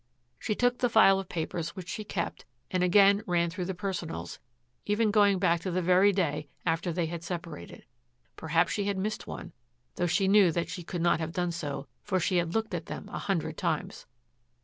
She took the file of papers which she kept and again ran through the personals, even going back to the very day after they had separated. Perhaps she had missed one, though she knew that she could not have done so, for she had looked at them a hundred times.